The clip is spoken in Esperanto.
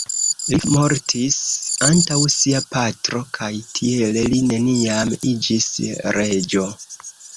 Li mortis antaŭ sia patro kaj tiele li neniam iĝis reĝo.